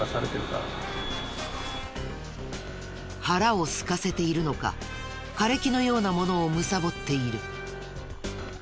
腹をすかせているのか枯れ木のようなものをむさぼっている。